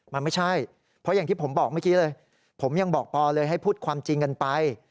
มันไม่ใช่เพราะอย่างที่ผมบอกเมื่อกี้เลยผมยังบอกปอเลยให้พูดความจริงกันไป